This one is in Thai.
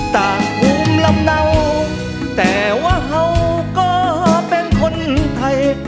ต่างภูมิลำเนาแต่ว่าเขาก็เป็นคนไทย